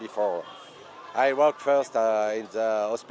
tôi đến việt nam sáu năm trước